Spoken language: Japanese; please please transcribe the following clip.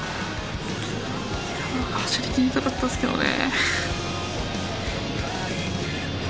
いや走りきりたかったっすけどね。